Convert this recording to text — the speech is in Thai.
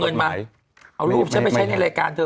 เอารูปฉันไปใช้ในรายการเธอ